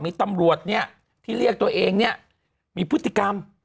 มีตำรวจที่เรียกตัวเองมีพฤติกรรม